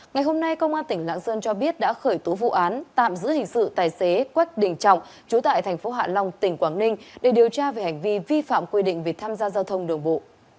ngày hôm nay công an tỉnh lạng sơn cho biết đã khởi tố vụ án tạm giữ hình sự tài xế quách đình trọng chú tại thành phố hạ long tỉnh quảng ninh để điều tra về hành vi vi phạm quy định về tham gia giao thông đường bộ